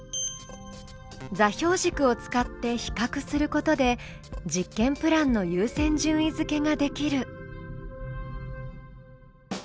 座標軸を使って比較することで実験プランの優先順位づけができる。